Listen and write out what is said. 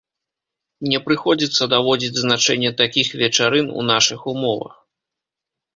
Не прыходзіцца даводзіць значэнне такіх вечарын у нашых умовах.